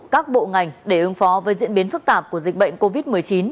các bộ ngành để ứng phó với diễn biến phức tạp của dịch bệnh covid một mươi chín